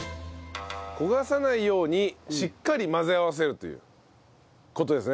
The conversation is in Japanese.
焦がさないようにしっかり混ぜ合わせるという事ですね。